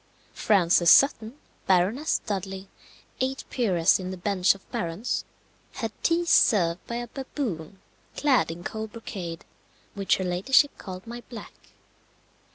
Frances Sutton, Baroness Dudley, eighth peeress in the bench of barons, had tea served by a baboon clad in cold brocade, which her ladyship called My Black.